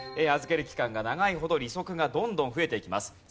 預ける期間が長いほど利息がどんどん増えていきます。